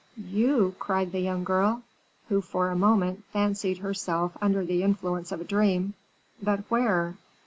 you!" cried the young girl, who for a moment fancied herself under the influence of a dream. "But where?